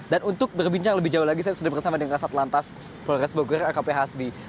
dan untuk berbincang lebih jauh lagi saya sudah bersama dengan asat lantas polres bogor rkp hasbi